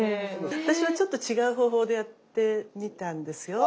私はちょっと違う方法でやってみたんですよ。